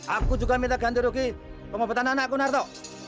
aku juga minta ganti rugi pemobatan anakku narto